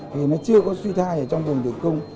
thì nó chưa có suy thai ở trong vùng tử cung